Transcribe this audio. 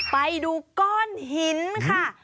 ไปดูก้อนหินค่ะ